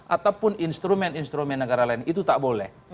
ataupun instrumen instrumen negara lain itu tak boleh